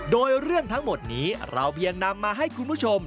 โดยเรื่องทั้งหมดนี้เราเพียงนำมาให้คุณผู้ชม